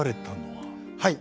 はい。